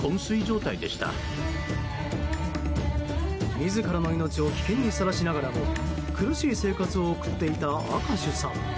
自らの命を危険にさらしながらも苦しい生活を送っていたアカシュさん。